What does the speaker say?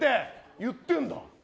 言ってるんだ？